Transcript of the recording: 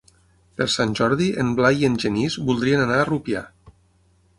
Per Sant Jordi en Blai i en Genís voldrien anar a Rupià.